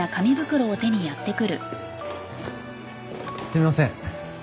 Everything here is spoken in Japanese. すみません。